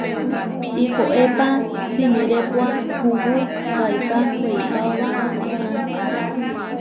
Tihoépa simirépua kuú kaiká weikaóba waʼá.